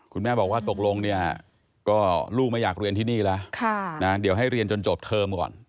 คุณแม่บอกว่าตกลงเนี่ยก็ลูกไม่อยากเรียนที่นี่แล้วเดี๋ยวให้เรียนจนจบเทอมก่อน